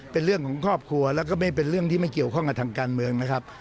เป็นเรื่องของครอบครัวแล้วก็ไม่เป็นเรื่องที่ไม่เกี่ยวข้องกับทางการเมืองนะครับ